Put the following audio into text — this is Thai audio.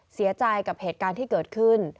เสียใจกับเหตุการณ์ที่เกิดขึ้น